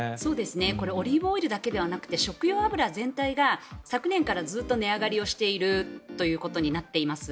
これオリーブオイルだけではなくて食用油全体が昨年からずっと値上がりをしているということになっています。